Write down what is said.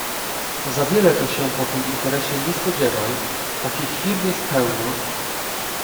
Za wiele to się po tym interesie nie spodziewaj, takich firm jest pełno.